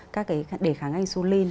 các cái đề kháng insulin